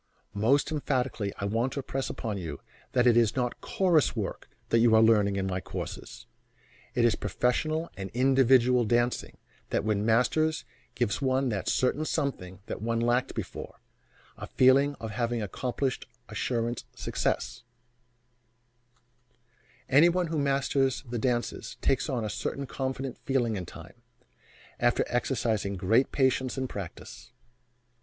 Most emphatically I want to impress upon you that it is not "chorus work" you are learning in my courses. It is professional and individual dancing, that when mastered gives one that certain something that one lacked before, a feeling of having accomplished assurance of success. [Illustration: AL JOLSON] Anyone who masters the dances takes on a certain confident feeling in time, after exercising great patience in practice.